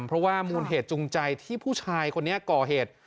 เพราะว่ามูลเหตุจูงใจที่ผู้ชายคนนี้ก่อเหตุ